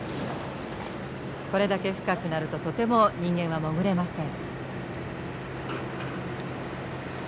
これだけ深くなるととても人間は潜れません。